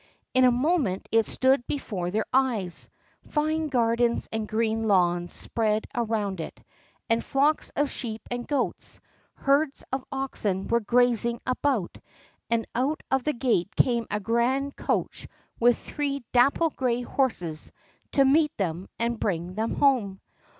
In a moment it stood before their eyes: fine gardens and green lawns spread around it, and flocks of sheep and goats; herds of oxen were grazing about; and out of the gate came a grand coach with three dapple gray horses, to meet them and bring them home.